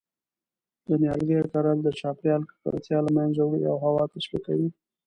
د نیالګیو کرل د چاپیریال ککړتیا له منځه وړی او هوا تصفیه کوی